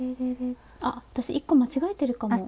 あ私１個間違えてるかも！